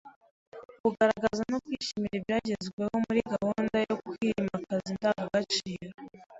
Kugaragaza no kwishimira ibyagezweho muri gahunda yokwimakaza indangagaciro